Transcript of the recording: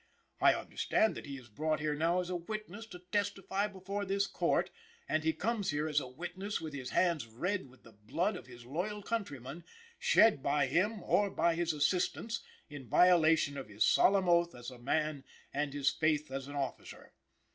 I understand that he is brought here now as a witness to testify before this Court, and he comes here as a witness with his hands red with the blood of his loyal countrymen, shed by him or by his assistants, in violation of his solemn oath as a man and his faith as an officer.